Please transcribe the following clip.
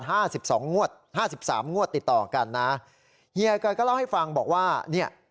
ห้าสิบสองงวดห้าสิบสามงวดติดต่อกันนะเฮียกอยก็เล่าให้ฟังบอกว่าเนี่ย